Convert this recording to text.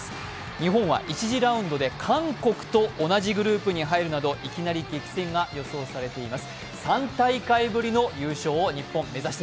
日本は１次ラウンドで韓国と同じグループに入るなどいきなり激戦が予想されています。